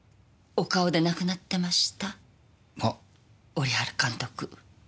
織原監督。